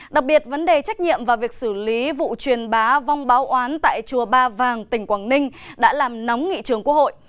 đặc biệt vấn đề trách nhiệm và việc xử lý vụ truyền bá vong báo oán tại chùa ba vàng tỉnh quảng ninh đã làm nóng nghị trường quốc hội